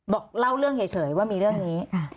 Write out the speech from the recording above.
บอกเล่าเรื่องเฉยว่ามีเรื่องนี้